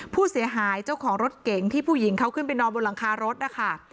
ผู้เสียหายเจ้าของรถเก๋งที่ผู้หญิงเขาขึ้นไปนอนบนหลังคารถนะคะ